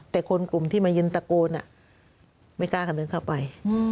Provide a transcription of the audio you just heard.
แต่คนกลุ่มที่มายืนตะโกนไม่กล้ากันเดินเข้าไป